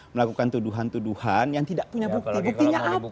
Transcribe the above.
melakukan tuduhan tuduhan yang tidak punya buktinya